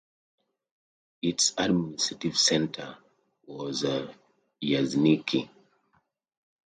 Its administrative centre was Vyazniki.